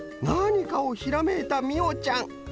なにかをひらめいたみおちゃん。